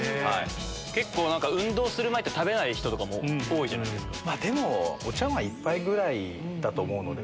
結構運動する前って食べない人も多いじゃないですか。